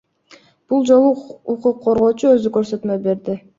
Бул жолу укук коргоочу өзү көрсөтмө берди.